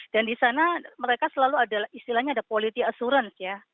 dan di sana mereka selalu ada istilahnya ada quality assurance ya